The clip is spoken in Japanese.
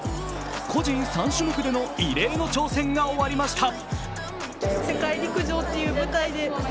個人３種目での異例の挑戦が終わりました。